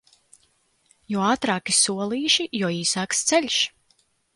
Jo ātrāki solīši, jo īsāks ceļš.